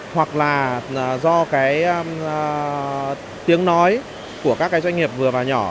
hoặc là do tiếng nói của các doanh nghiệp vừa và nhỏ